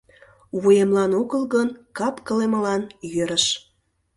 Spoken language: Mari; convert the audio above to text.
— Вуемлан огыл гын, кап-кылемлан йӧрыш...